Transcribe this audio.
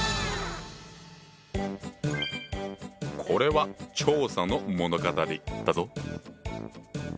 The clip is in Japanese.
これは趙さんの物語だぞ。